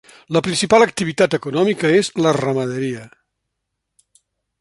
La principal activitat econòmica és la ramaderia.